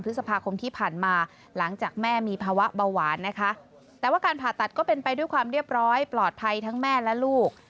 พฤษภาคมที่ผ่านมาหลังจากแม่มีภาวะเบาหวานนะคะแต่ว่าการผ่าตัดก็เป็นไปด้วยความเรียบร้อยปลอดภัยทั้งแม่และลูก